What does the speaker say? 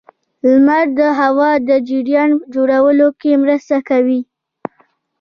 • لمر د هوا د جریان جوړولو کې مرسته کوي.